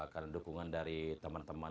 karena dukungan dari teman teman